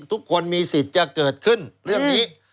ทุกคนมีสิทธิ์จะเกิดขึ้นเรื่องนี้